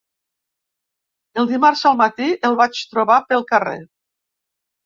El dimarts al matí el vaig trobar pel carrer